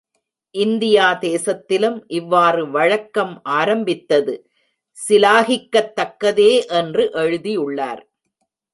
India தேசத்திலும் இவ்வாறு வழக்கம் ஆரம்பித்தது சிலாகிக்கக்தக்கதே என்று எழுதியுள்ளார்.